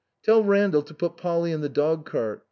" Tell Randall to put Polly in the dog cart.